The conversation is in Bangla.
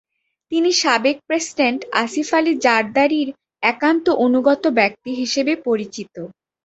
তিনি সাবেক প্রেসিডেন্ট আসিফ আলী জারদারির একান্ত অনুগত ব্যক্তি হিসেবে পরিচিত।